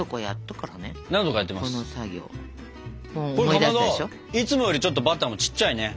かまどいつもよりちょっとバターもちっちゃいね。